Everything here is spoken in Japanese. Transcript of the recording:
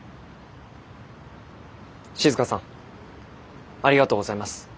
静さんありがとうございます。